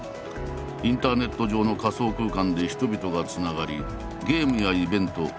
インターネット上の仮想空間で人々がつながりゲームやイベント